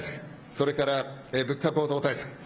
それから物価高騰対策